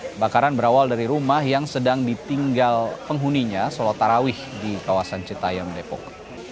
kebakaran berawal dari rumah yang sedang ditinggal penghuninya sholat tarawih di kawasan citayam depok